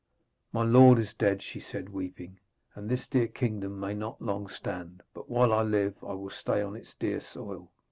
'My lord is dead,' she said, weeping, 'and this dear kingdom may not long stand, but while I live I will stay on its dear soil.'